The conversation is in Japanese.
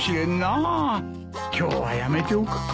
今日はやめておくか。